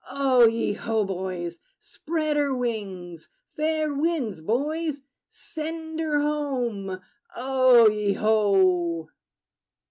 O ye ho, boys! Spread her wings! Fair winds, boys: send her home! O ye ho!